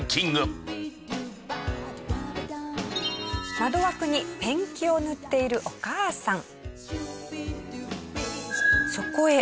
窓枠にペンキを塗っているお母さん。